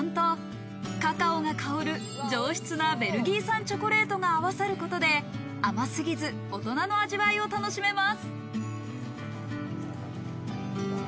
ふわふわなのに食べごたえのある食感とカカオが香る上質なベルギー産チョコレートが合わさることで、甘すぎず大人の味わいを楽しめます。